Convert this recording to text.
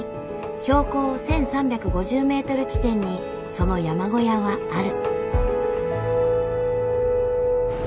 標高１，３５０ｍ地点にその山小屋はある。